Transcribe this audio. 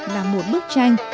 là một bức tranh